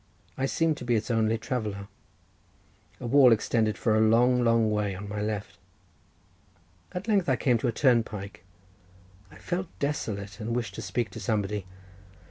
I seemed to be its only traveller—a wall extended for a long, long way on my left. At length I came to a turnpike. I felt desolate, and wished to speak to somebody.